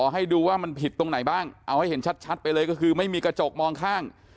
ให้ดูว่ามันผิดตรงไหนบ้างเอาให้เห็นชัดไปเลยก็คือไม่มีกระจกมองข้าง